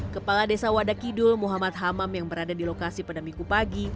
kepala desa wadakidul muhammad hamam yang berada di lokasi pada minggu pagi